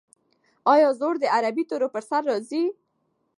آیا زور د عربي تورو پر سر راځي؟